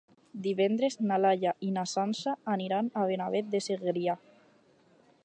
Divendres na Laia i na Sança aniran a Benavent de Segrià.